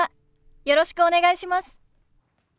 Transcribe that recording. よろしくお願いします。